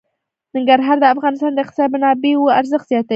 ننګرهار د افغانستان د اقتصادي منابعو ارزښت زیاتوي.